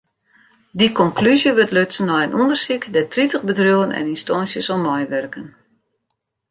Dy konklúzje wurdt lutsen nei in ûndersyk dêr't tritich bedriuwen en ynstânsjes oan meiwurken.